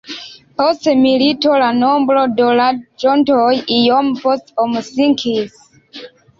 Post milito la nombro de loĝantoj iom post om sinkis.